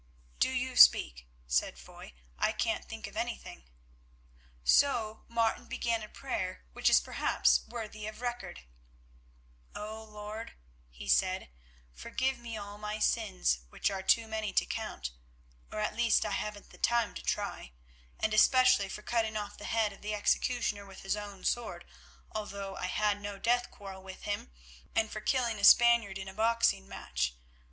"Do you speak," said Foy, "I can't think of anything." So Martin began a prayer which is perhaps worthy of record:— "O Lord," he said, "forgive me all my sins, which are too many to count, or at least I haven't the time to try, and especially for cutting off the head of the executioner with his own sword, although I had no death quarrel with him, and for killing a Spaniard in a boxing match.